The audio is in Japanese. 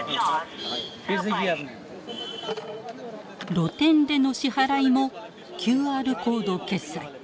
露店での支払いもＱＲコード決済。